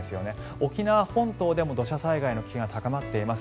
沖縄本島でも土砂災害の危険が高まっています。